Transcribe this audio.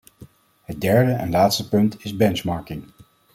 Het derde en laatste punt is benchmarking .